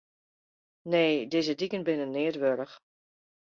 Nee, dizze diken binne neat wurdich.